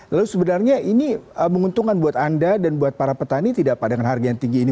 lalu sebenarnya ini menguntungkan buat anda dan buat para petani tidak pak dengan harga yang tinggi ini